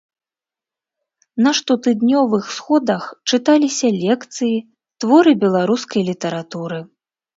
На штотыднёвых сходах чыталіся лекцыі, творы беларускай літаратуры.